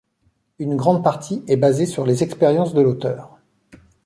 Une grande partie est basée sur les expériences de l'auteur.